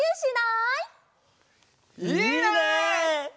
いいね！